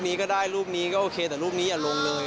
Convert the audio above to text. นี้ก็ได้รูปนี้ก็โอเคแต่รูปนี้อย่าลงเลย